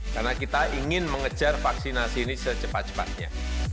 karena kita ingin mengejar vaksinasi ini secepat cepatnya